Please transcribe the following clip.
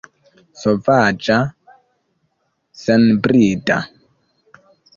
Sovaĝa, senbrida!